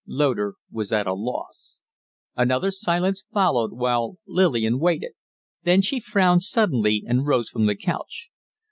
Loder was at a loss. Another silence followed, while Lillian waited; then she frowned suddenly and rose from the couch.